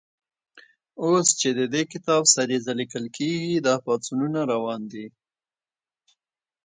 اوس چې د دې کتاب سریزه لیکل کېږي، دا پاڅونونه روان دي.